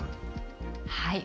はい。